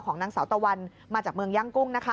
ของนางสาวตะวันมาจากเมืองยั่งกุ้ง